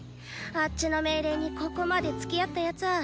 あッチの命令にここまでつきあったやつぁ